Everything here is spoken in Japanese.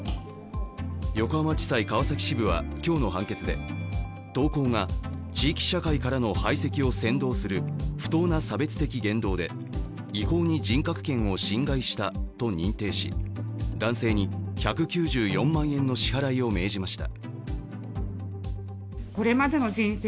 横浜地裁川崎支部は今日の判決で投稿が地域社会からの排斥を扇動する不当な差別的言動で、違法に人格権を侵害したと認定し男性に１９４万円の支払いを命じました。